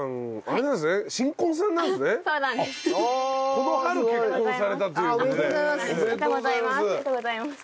ありがとうございます。